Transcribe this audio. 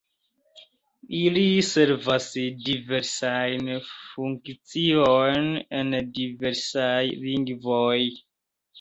Ili servas diversajn funkciojn en diversaj lingvoj.